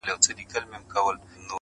اې گوره تاته وايم.